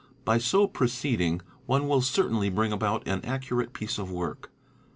By so proceeding, one will certainly bring about an accurate piece of work.